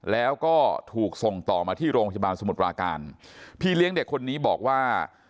แล้วก็ถูกส่งต่อมาที่โรงพยาบาลสมุทรปราการพี่เลี้ยงเด็กคนนี้บอกว่า